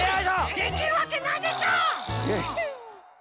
できるわけないでしょ！